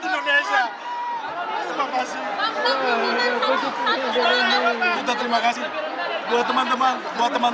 dan juga melihat status gc atau justice collaboration